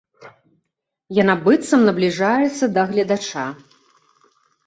Яна быццам набліжаецца да гледача.